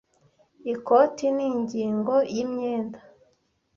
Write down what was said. Ikoti ni ingingo yimyenda.